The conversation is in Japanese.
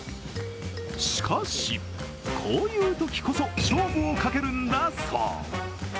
しかし、こういうときこそ勝負をかけるんだそう。